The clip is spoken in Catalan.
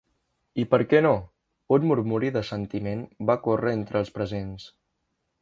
"I per què no?", un murmuri d'assentiment va córrer entre els presents.